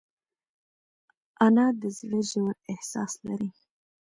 انا د زړه ژور احساس لري